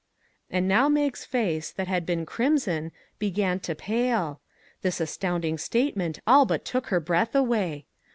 And now Mag's face, that had been crimson, began to pale; this astounding statement all but took her breath away.